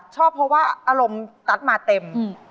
ชอบเพราะว่าอารมณ์ตั๊ดมาเต็ม